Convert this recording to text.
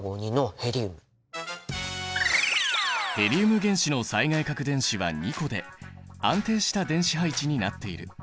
ヘリウム原子の最外殻電子は２個で安定した電子配置になっている。